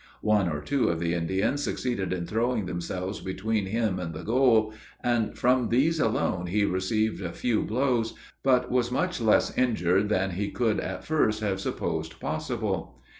One or two of the Indians succeeded in throwing themselves between him and the goal, and from these alone he received a few blows, but was much less injured than he could at first have supposed possible.